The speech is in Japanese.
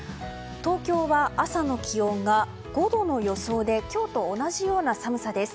東京は朝の気温が５度の予想で今日と同じような寒さです。